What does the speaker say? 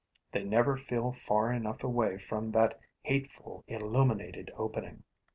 They never feel far enough away from that hateful illuminated opening.